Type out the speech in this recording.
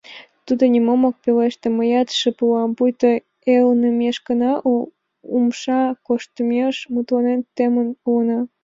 Тудо нимом ок пелеште, мыят шып улам, пуйто элнымешкына, умша кошкымеш мутланен темын улына.